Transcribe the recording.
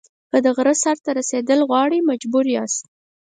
که د غره سر ته رسېدل غواړئ مجبور یاست.